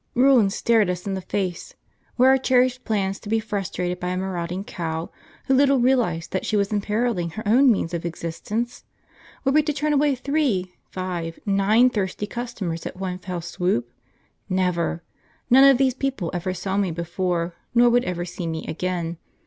Ruin stared us in the face. Were our cherished plans to be frustrated by a marauding cow, who little realised that she was imperilling her own means of existence? Were we to turn away three, five, nine thirsty customers at one fell swoop? Never! None of these people ever saw me before, nor would ever see me again.